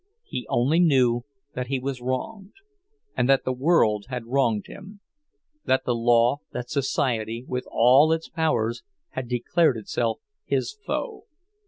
He only knew that he was wronged, and that the world had wronged him; that the law, that society, with all its powers, had declared itself his foe.